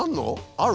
ある？